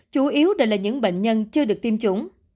chủ yếu đều là những bệnh nhân chưa được tiêm chủng